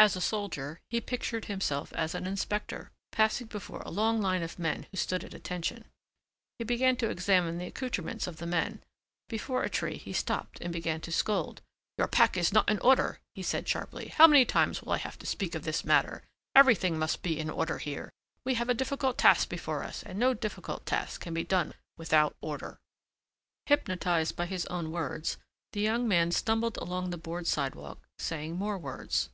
As a soldier he pictured himself as an inspector, passing before a long line of men who stood at attention. He began to examine the accoutrements of the men. Before a tree he stopped and began to scold. "Your pack is not in order," he said sharply. "How many times will I have to speak of this matter? Everything must be in order here. We have a difficult task before us and no difficult task can be done without order." Hypnotized by his own words, the young man stumbled along the board sidewalk saying more words.